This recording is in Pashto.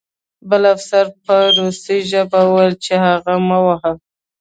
بل افسر په روسي ژبه وویل چې هغه مه وهه